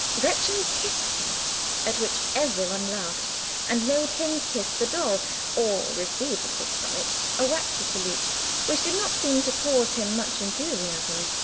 Gretchen kissed him, at which every one laughed, and made him kiss the doll, or receive a kiss from it a waxy salute which did not seem to cause him much enthusiasm.